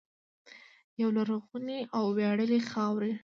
یوې لرغونې او ویاړلې خاورې.